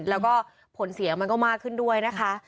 แล้วก็ผลเสียมันก็มากขึ้นด้วยนะคะ